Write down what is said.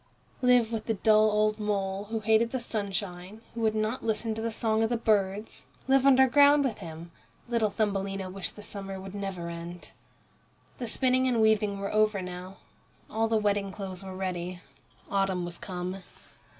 Live with the dull old mole, who hated the sunshine, who would not listen to the song of the birds live underground with him! Little Thumbelina wished the summer would never end. The spinning and weaving were over now. All the wedding clothes were ready. Autumn was come.